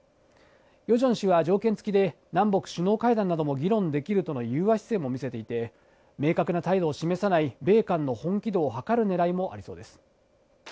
ヨジョン氏は条件付きで南北首脳会談も議論できるとの融和姿勢も見せていて、明確な態度を示さない、米韓の本気度をはかるねらいもありそうです。